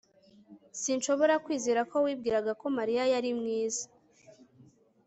Sinshobora kwizera ko wibwiraga ko Mariya yari mwiza